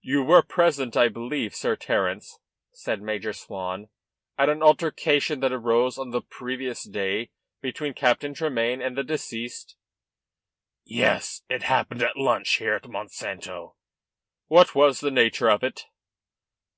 "You were present, I believe, Sir Terence," said Major Swan, "at an altercation that arose on the previous day between Captain Tremayne and the deceased?" "Yes. It happened at lunch here at Monsanto." "What was the nature of it?"